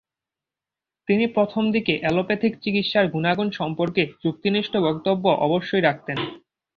তিনি প্রথমদিকে অ্যালোপ্যাথিক চিকিৎসার গুণাগুণ সম্পর্কে যুক্তিনিষ্ঠ বক্তব্য অবশ্যই রাখতেন।